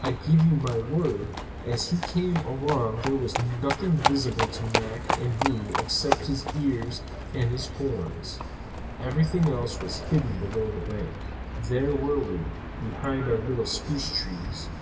I give you my word, as he came along there was nothing visible to Mac and me except his ears and his horns. Everything else was hidden below the bank. "There were we behind our little spruce trees.